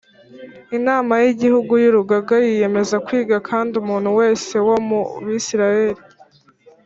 Inama y Igihugu y Urugaga yiyemeza kwiga Kandi umuntu wese wo mu Bisirayeli